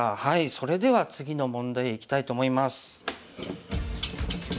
それでは次の問題へいきたいと思います。